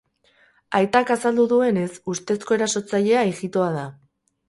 Aitak azaldu duenez, ustezko erasotzailea ijitoa da.